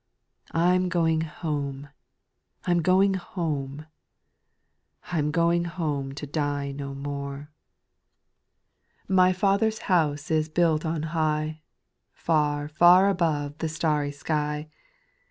I 'm going home, I 'm going home, I 'm going home, to die no more. 2. My Father's house is built on high, Far, fir above the starry sky ; 196 SPIRITUAL SONGS.